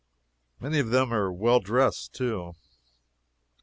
many of them very well dressed, too.